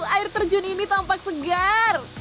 air terjun ini tampak segar